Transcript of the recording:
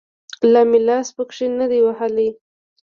لا مې لاس پکښې نه دى وهلى.